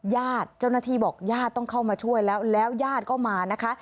ญาติเจ้าหน้าที่บอกญาติต้องเข้ามาช่วยแล้วแล้วญาติก็มานะคะ